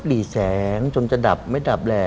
หลีแสงจนจะดับไม่ดับแหล่